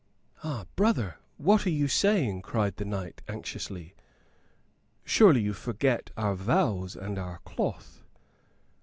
"Ah, brother, what are you saying?" cried the knight, anxiously. "Surely you forget our vows and our cloth."